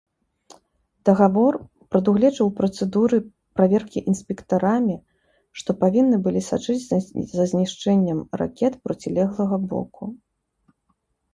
Дагавор прадугледжваў працэдуры праверкі інспектарамі, што павінны былі сачыць за знішчэннем ракет процілеглага боку.